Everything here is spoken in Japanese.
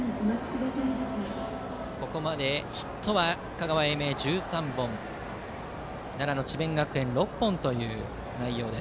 ここまでヒットは香川・英明が１３本奈良の智弁学園６本という内容。